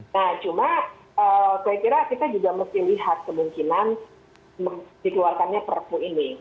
nah cuma saya kira kita juga mesti lihat kemungkinan dikeluarkannya perpu ini